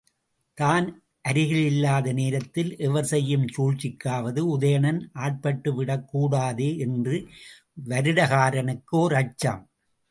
தான் அருகில் இல்லாத நேரத்தில் எவர் செய்யும் சூழ்ச்சிக்காவது உதயணன் ஆட்பட்டுவிடக் கூடாதே! என்று வருடகாரனுக்கு ஓர் அச்சம்.